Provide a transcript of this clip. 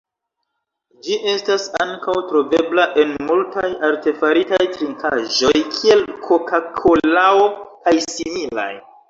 Ĝi estas ankaŭ trovebla en multaj artefaritaj trinkaĵoj, kiel koka-kolao kaj similaj.